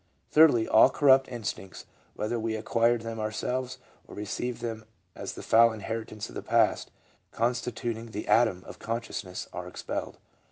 Thirdly, all corrupt instincts, whether we acquired them ourselves or received them as the foul inheritance of the past, con stituting the Adam of consciousness, are expelled.